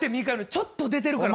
ちょっと出てるから。